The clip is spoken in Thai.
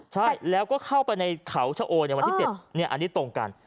ใช่แล้วก็เข้าไปในเขาชะโอยในวันที่๗อันนี้ตรงกัน